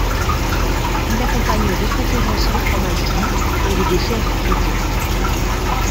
Il accompagne de préférence les fromages doux et les desserts fruités.